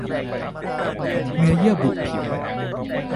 เนื้อเยื่อบุผิว